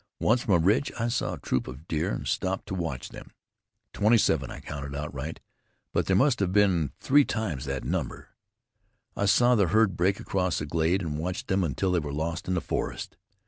Once from a ridge I saw a troop of deer, and stopped to watch them. Twenty seven I counted outright, but there must have been three times that number. I saw the herd break across a glade, and watched them until they were lost in the forest.